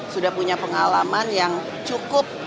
sudah punya pengalaman yang cukup